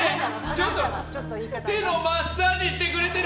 ちょっと手のマッサージしてくれてる！